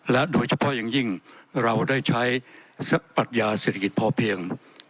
โดยเฉพาะอย่างยิ่งเราได้ใช้ปัญญาเศรษฐกิจพอเพียง